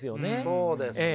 そうですね。